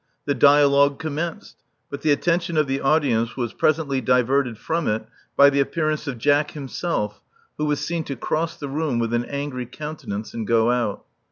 The dialogue commenced; but the attention of the audience was presently diverted from it by the appearance of Jack himself, who was seen to cross the room with an angry countenance, and go out.